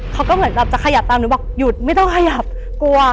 เขาก็เหมือนแบบจะขยับตามหนูบอกหยุดไม่ต้องขยับกลัว